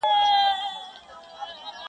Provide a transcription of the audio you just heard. o د صبر کاسه درنه ده!